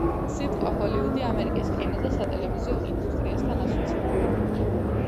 სიტყვა „ჰოლივუდი“ ამერიკის კინო და სატელევიზიო ინდუსტრიასთან ასოცირდება